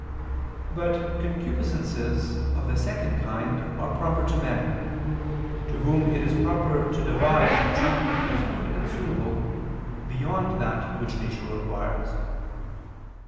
But concupiscences of the second kind are proper to men, to whom it is proper to devise something as good and suitable, beyond that which nature requires.